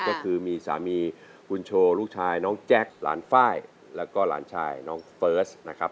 ก็คือมีสามีคุณโชว์ลูกชายน้องแจ๊คหลานไฟล์แล้วก็หลานชายน้องเฟิร์สนะครับ